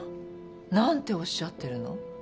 何ておっしゃってるの？